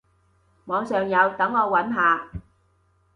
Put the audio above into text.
網上有，等我揾下